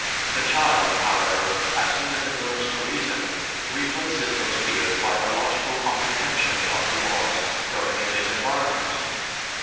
The child, however, as soon as it learns to reason, replaces those fears by a logical comprehension of the laws governing his environment.